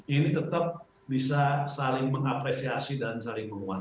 ini tetap bisa saling mengapresiasi dan saling menguatkan